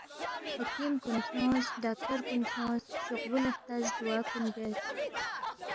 حکیم کُن کھیونگس، ڈاکٹر کُن کھیونگس، شوقبُو لہ ہلتس ، دُعا کُن بیاس